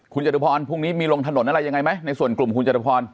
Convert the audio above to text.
คุณจตุพรพรุ่งนี้มีลงถนนอะไรยังไงไหมในส่วนกลุ่มคุณจตุพร